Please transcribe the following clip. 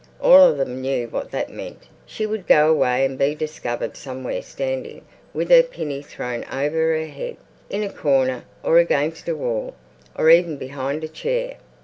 All of them knew what that meant. She would go away and be discovered somewhere standing with her pinny thrown over her head, in a corner, or against a wall, or even behind a chair.